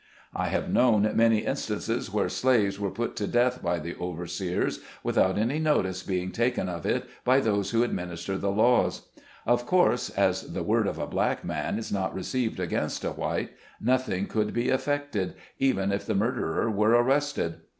I have known many instances where slaves were put to death by the overseers, without any notice being taken of it by those who administer the laws. Of course, as the word of a black man is not received against a white, nothing could be effected, even if the murderer were arrested.